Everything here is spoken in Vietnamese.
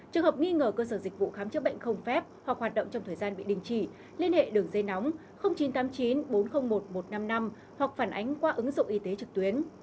trường hợp nghi ngờ cơ sở dịch vụ khám chữa bệnh không phép hoặc hoạt động trong thời gian bị đình chỉ liên hệ đường dây nóng chín trăm tám mươi chín bốn trăm linh một một trăm năm mươi năm hoặc phản ánh qua ứng dụng y tế trực tuyến